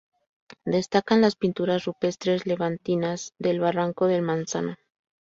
Destacan las Pinturas Rupestres levantinas del "barranco del Manzano".